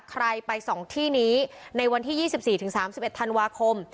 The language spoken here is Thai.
ใครไปสองที่นี้ในวันที่ยี่สิบสี่ถึงสามสิบเอ็ดธันวาคม